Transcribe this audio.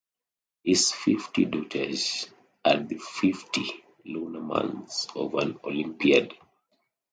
His fifty daughters are the fifty lunar months of an Olympiad.